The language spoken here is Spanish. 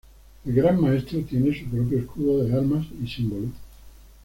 El Gran Maestro tiene su propio escudo de armas y símbolo.